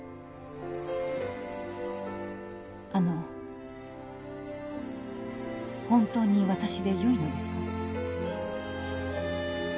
あの本当に私でよいのですか？